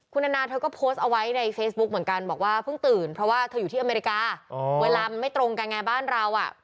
คุณแอนนาเธอก็โพสต์เอาไว้ในเฟซบุ๊กเหมือนกันบอกว่าเพิ่งตื่นเพราะว่าเธออยู่ที่อเมริกาเวลามันไม่ตรงกันไงบ้านเราอ่ะ